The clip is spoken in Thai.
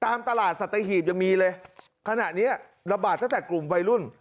ตามตลาดสัตหีบยังมีเลยขณะเนี้ยระบาดตั้งแต่กลุ่มวัยรุ่น